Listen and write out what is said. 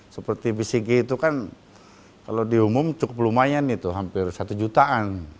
seperti bcg itu kan kalau di umum cukup lumayan itu hampir satu jutaan